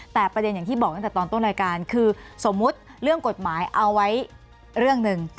แต่ประเด็นอย่างที่บอกตั้งแต่ตอนต้นรายการคือสมมุติเรื่องกฎหมายเอาไว้เรื่องหนึ่ง